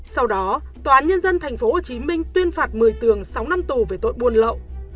sau đó tòa án nhân dân tp hcm tuyên phạt mười tường sáu năm tù về tội buôn lậu